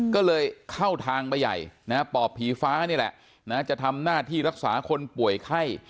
ก็เลยเข้าทางไปใหญ่ปอบผีฟ้านี่แหละจะทำหน้าที่รักษาคนป่วยไข้